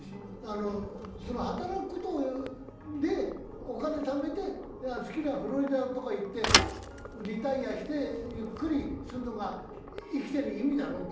働くことでお金をためて好きなフロリダとか行ってリタイアして、ゆっくりするのが生きてる意味だろと。